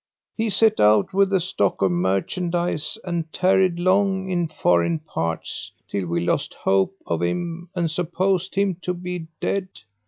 He set out with a stock of merchandise and tarried long in foreign parts, till we lost hope of him and supposed him to be dead.